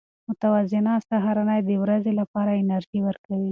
متوازنه سهارنۍ د ورځې لپاره انرژي ورکوي.